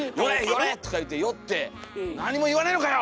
寄れ！」とか言って寄って「何も言わねえのかよ！」